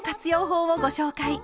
法をご紹介。